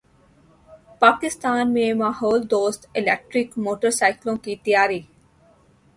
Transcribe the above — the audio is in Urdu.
پاکستان میں ماحول دوست الیکٹرک موٹر سائیکلوں کی تیاری